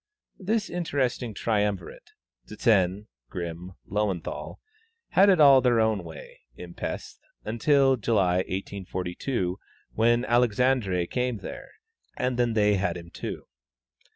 This interesting triumvirate Zsen, Grimm, Löwenthal had it all their own way, in Pesth, until July, 1842, when Alexandre came there, and then they had him too.